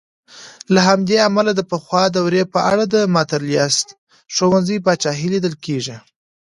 له همدې امله د پخوا دورې په اړه د ماتریالیسټ ښوونځي پاچاهي لیدل کېږي.